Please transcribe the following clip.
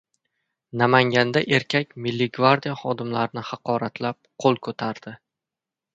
Namanganda erkak Milliy gvardiya xodimlarini haqoratlab, qo‘l ko‘tardi